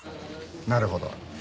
なるほど。